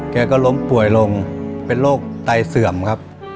แกก็ล้มป่วยลงเป็นโรคไตเสื่อมครับ